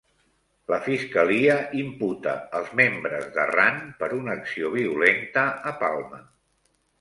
La fiscalia imputa als membres d'Arran per una acció violenta a Palma